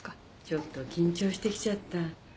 ちょっと緊張してきちゃった。